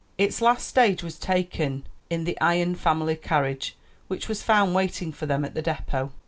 Its last stage was taken in the Ion family carriage, which was found waiting for them at the depot.